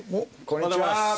こんにちは。